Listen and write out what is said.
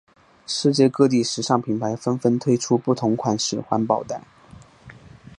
世界各地时尚品牌纷纷推出不同款式环保袋。